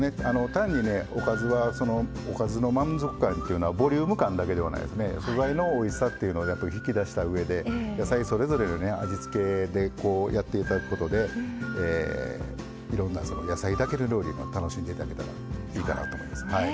単におかずはおかずの満足感というのはボリューム感だけではなくて素材のおいしさというのを引き出したうえで野菜それぞれの味付けでやっていただくことでいろんな野菜だけの料理を楽しんでいただけたらいいかなと思います。